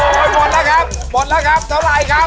หมดแล้วครับหมดแล้วครับเท่าไหร่ครับ